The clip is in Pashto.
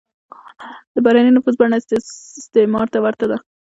د بهرنی نفوذ بڼه استعمار ته ورته ده.